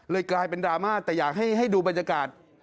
กลายเป็นดราม่าแต่อยากให้ดูบรรยากาศ